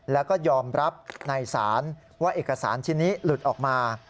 แล้วก็ยอมรับในศาลว่าเอกสารชิ้นนี้หลุดออกมา